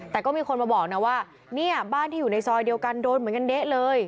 แต่ก็มีคนมาบอกนะว่าเนี่ยบ้านที่อยู่ในซอยเดียวกันโดนเหมือนกันเด๊ะเลย